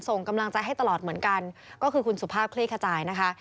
ส่งกำลังใจให้ตลอดเหมือนกันก็คือคุณสุภาพคลี่ขจายนะคะ